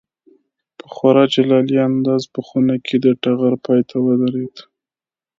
په خورا جلالي انداز په خونه کې د ټغر پای ته ودرېد.